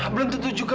belum tentu juga